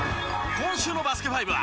今週の『バスケ☆ＦＩＶＥは』